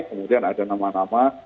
kemudian ada nama nama